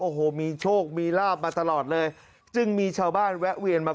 โอ้โหมีโชคมีลาบมาตลอดเลยจึงมีชาวบ้านแวะเวียนมา